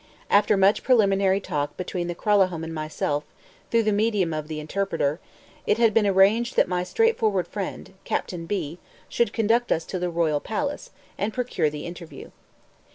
After much preliminary talk between the Kralahome and myself, through the medium of the interpreter, it had been arranged that my straightforward friend, Captain B , should conduct us to the royal palace, and procure the interview.